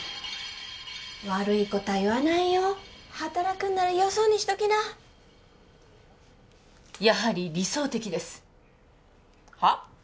悪いことは言わないよ働くんならよそにしときなやはり理想的ですはっ！？